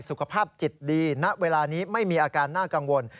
สุขภาพจิตดีณเวลานี้ไม่มีอาการน่ากังวล